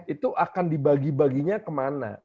itu akan dibagi baginya kemana